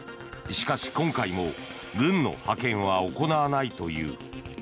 しかし、今回も軍の派遣は行わないという。